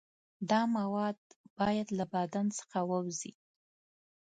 دا مواد باید له بدن څخه ووځي.